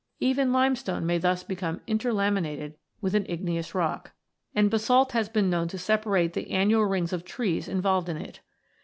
Even limestone may thus become interlaminated with an igneous rock, 122 ROCKS AND THEIR ORIGINS [CH. and basalt has been known to separate the annual rings of trees involved in it.